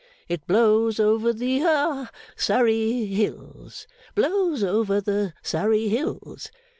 It blows over the ha Surrey hills. Blows over the Surrey hills.